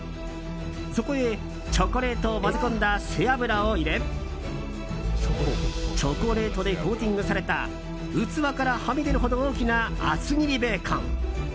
そこへ、チョコレートを混ぜ込んだ背油を入れチョコレートでコーティングされた器から、はみ出るほど大きな厚切りベーコン。